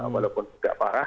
walaupun tidak parah